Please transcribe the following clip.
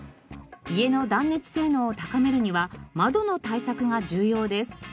家の断熱性能を高めるには窓の対策が重要です。